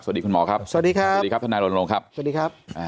สวัสดีคุณหมอครับสวัสดีค่ะสวัสดีครับทนายรณรงค์ครับสวัสดีครับ